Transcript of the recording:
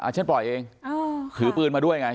ฉันปล่อยเองถือปืนมาด้วยไง